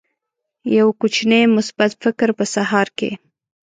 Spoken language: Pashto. یو کوچنی مثبت فکر په سهار کې